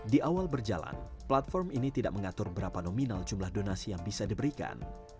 di awal berjalan platform ini tidak mengatur berapa nominal jumlah donasi yang bisa diberikan